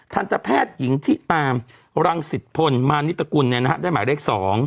ทันตแพทย์หญิงทิตามรังสิทธพลมานิตกุลได้หมายเลข๒